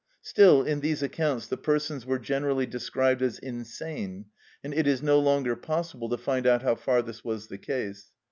Still in these accounts the persons were generally described as insane, and it is no longer possible to find out how far this was the case.